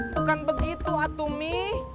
bukan begitu atuh mi